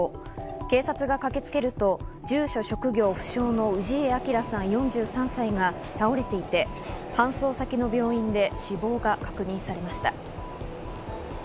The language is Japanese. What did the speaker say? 警察が駆けつけると、住所・職業不詳の氏家彰さん、４３歳が倒れていて搬送先の病院で死亡が確認されました。